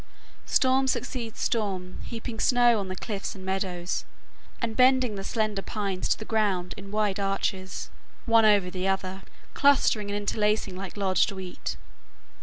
Storm succeeds storm, heaping snow on the cliffs and meadows, and bending the slender pines to the ground in wide arches, one over the other, clustering and interlacing like lodged wheat.